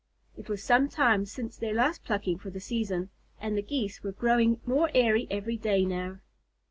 It was some time since their last plucking for the season, and the Geese were growing more airy every day now.